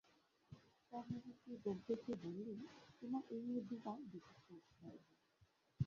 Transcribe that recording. পরমুহূর্তেই গম্ভীর হয়ে বললেন, তোমার এই নিয়ে দু বার বিচিত্র অভিজ্ঞতা হল।